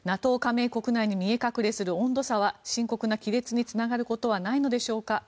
加盟国内に見え隠れする温度差は深刻な亀裂につながることはないのでしょうか。